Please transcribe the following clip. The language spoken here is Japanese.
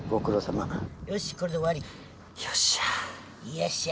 よっしゃ。